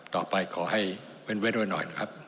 ต่อไปขอให้เว้นเว้นหน่อยครับ